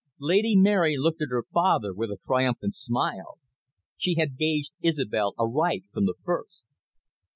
Lady Mary looked at her father with a triumphant smile. She had gauged Isobel aright from the first.